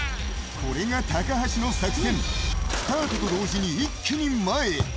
これが高橋の作戦、スタートと同時に一気に前へ。